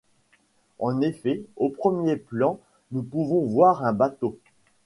En effet, au premier plan nous pouvons voir un bateau.